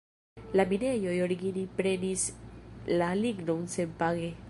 La minejoj origine prenis la lignon senpage.